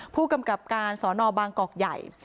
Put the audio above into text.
ผู้กำกับการสอนอบางกอกใหญ่